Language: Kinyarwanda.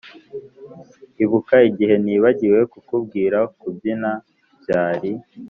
ibuka igihe nibagiwe kukubwira kubyina byari